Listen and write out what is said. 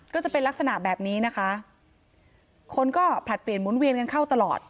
ก็จะเป็นลักษณะแบบนี้นะคะคนก็ผลัดเปลี่ยนหมุนเวียนกันเข้าตลอด